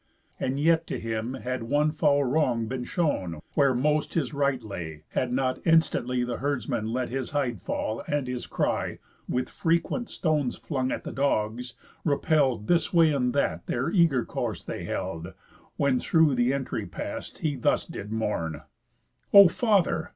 And yet to him had one foul wrong been shown Where most his right lay, had not instantly The herdsman let his hide fall, and his cry (With frequent stones flung at the dogs) repell'd This way and that their eager course they held; When through the entry past, he thus did mourn: "O father!